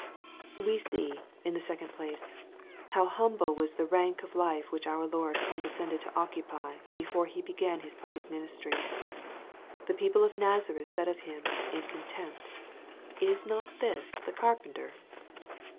We see, in the second place, how humble was the Tank of life which our Lord condescended to occupy before He be yan His public ministry. The people of Nazareth said of Him, in contempt, " Is not this the carpenter